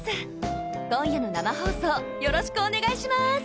今夜の生放送よろしくお願いします！